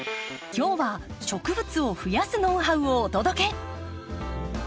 今日は植物を増やすノウハウをお届け！